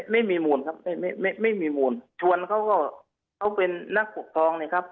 ไม่มีมูลครับไม่มีมูลชวนเขาก็เขาเป็นนักปกครองนะครับ